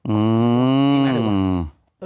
อืม